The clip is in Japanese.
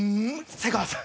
瀬川さん！